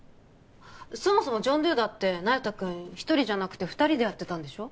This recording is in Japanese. そもそもジョン・ドゥだって那由他君一人じゃなくて二人でやってたんでしょ？